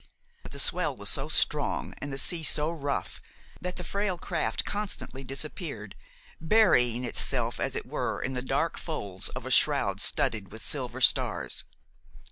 But the swell was so strong and the sea so rough that the frail craft constantly disappeared, burying itself as it were in the dark folds of a shroud studded with silver stars.